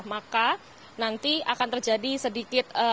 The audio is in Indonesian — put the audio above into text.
maka nanti akan terjadi sedikit